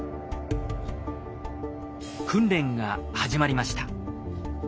訓練が始まりました。